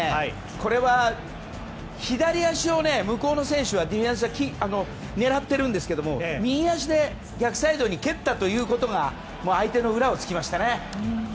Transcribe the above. これは左足を向こうの選手はディフェンスは狙っているんですけど右足で逆サイドに蹴ったということが相手の裏を突きましたね。